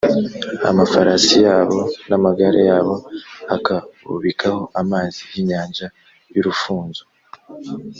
amafarasi yabo n’amagare yabo, akabubikaho amazi y’inyanja y’urufunzo